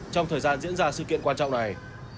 trong thời gian diễn ra sự kiện quan trọng này